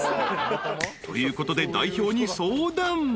［ということで代表に相談］